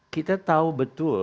kita tahu betul